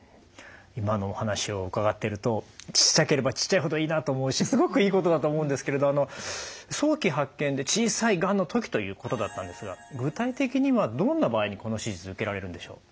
今のお話を伺ってるとちっちゃければちっちゃいほどいいなと思うしすごくいいことだと思うんですけれど早期発見で小さいがんの時ということだったんですが具体的にはどんな場合にこの手術受けられるんでしょう？